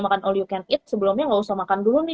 makan all you can eat sebelumnya nggak usah makan dulu nih